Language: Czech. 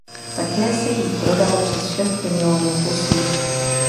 Také se jí prodalo přes šest milionů kusů.